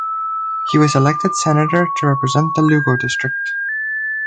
He was elected senator to represent the Lugo district.